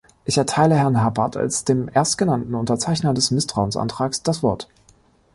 Ich erteile Herrn Happart als dem erstgenannten Unterzeichner des Misstrauensantrags das Wort.